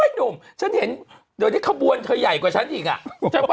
หนุ่มฉันเห็นโดยได้กระบวนเธอใหญ่กว่าฉันอีก